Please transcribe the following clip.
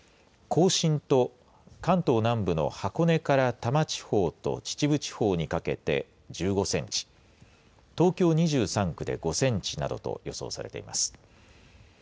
甲信と関東南部の箱根から多摩地方と秩父地方にかけて１５センチ東京２３区で５センチなどと予想されています。